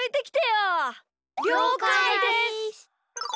りょうかいです！